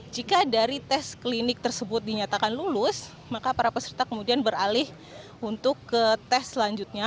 jika dari tes klinik tersebut dinyatakan lulus maka para peserta kemudian beralih untuk ke tes selanjutnya